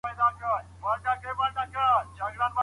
سمندر څومره هیبتناکه ایسي؟